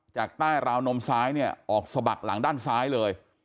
จากใต้ราวนมซ้ายเนี่ยออกสะบักหลังด้านซ้ายเลย